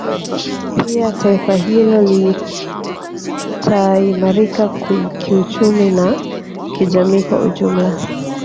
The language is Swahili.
Pia taifa hilo litaimarika kiuchumi na kijamii kwa ujumla